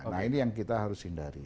nah ini yang kita harus hindari